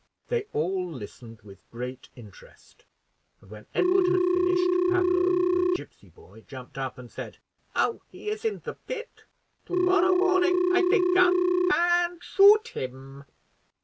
They all listened with great interest; and when Edward had finished, Pablo, the gipsy boy, jumped up and said, "Now he is in the pit, to morrow morning I take gun and shoot him."